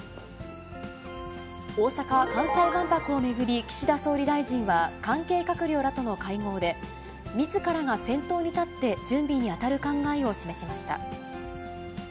大阪・関西万博を巡り、岸田総理大臣は関係閣僚らとの会合で、みずからが先頭に立って準備に当たる考えを示しました。